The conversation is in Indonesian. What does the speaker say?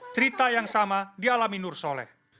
cerita yang sama di alami nur soleh